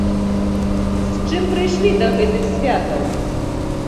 З чым мы прыйшлі да гэтых святаў?